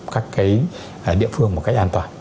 các cái địa phương một cách an toàn